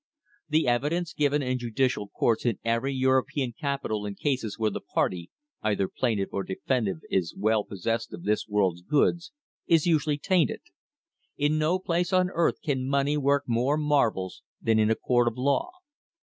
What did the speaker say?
The evidence given in judicial courts in every European capital in cases where the party, either plaintiff or defendant, is well possessed of this world's goods, is usually tainted. In no place on earth can money work more marvels than in a court of law.